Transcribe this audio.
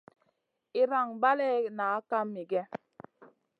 Iyran balley nah kam miguè.